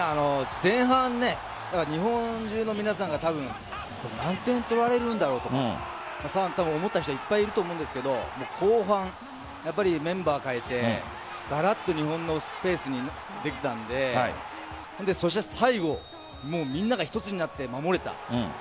前半日本中の皆さんが、たぶん何点、取られるんだろうと思った人たくさんいると思うんですが後半、メンバーを代えてガラッと日本のペースにできたので最後みんなが一つになって守れた。